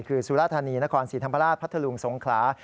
คือสุรธานีนครศรีธรรมราชพัทธลุงสงขลา